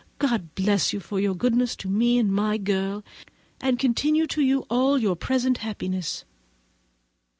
God bless you, for your goodness to me and my girl, and continue to you all your present happiness."